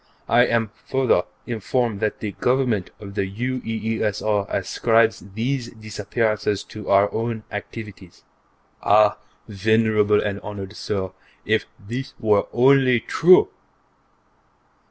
I am further informed that the Government of the UEESR ascribes these disappearances to our own activities. Ah, Venerable and Honored Sir, if this were only true!